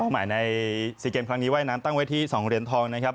ใหม่ใน๔เกมครั้งนี้ว่ายน้ำตั้งไว้ที่๒เหรียญทองนะครับ